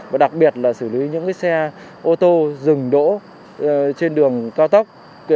và đặc biệt là xử lý những xe ô tô dừng đỗ trên đường cao tốc